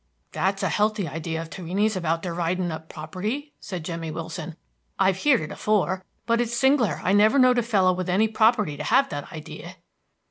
"That's a healthy idea of Torrini's about dervidin' up property," said Jemmy Willson. "I've heerd it afore; but it's sing'ler I never knowd a feller with any property to have that idea."